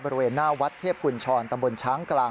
บริเวณหน้าวัดเทพกุญชรตำบลช้างกลาง